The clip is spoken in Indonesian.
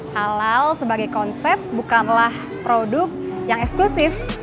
halal sebagai konsep bukanlah produk yang eksklusif